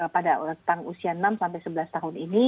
pada orang usia enam sebelas tahun ini